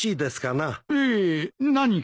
ええ何か？